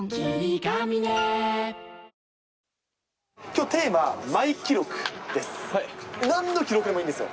きょう、テーマはマイ記録です。